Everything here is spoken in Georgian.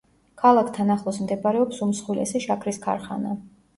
ქალაქთან ახლოს მდებარეობს უმსხვილესი შაქრის ქარხანა.